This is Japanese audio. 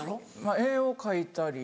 絵を描いたり。